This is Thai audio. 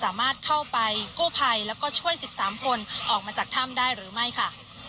สามารถเข้าไปกู้ภัยแล้วก็ช่วย๑๓คนออกมาจากถ้ำได้หรือไม่ค่ะ